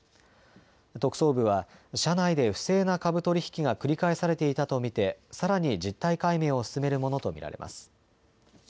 特捜部は社内で不正な株取り引きが繰り返されていたと見て、さらに実態解明を進めるものと見られます。